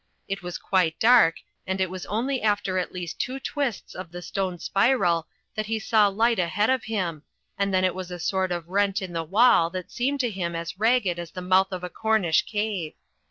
It was quite dark, and it was only after at least two twists of the stone spiral that he saw light ahead of him, and then it was a sort of rent in the wall that seemed to him as ragged as the mouth of a Cornish cave.